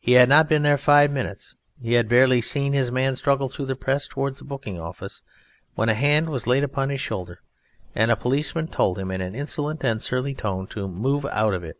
He had not been there five minutes, he had barely seen his man struggle through the press towards the booking office, when a hand was laid upon his shoulder and a policeman told him in an insolent and surly tone to "move out of it."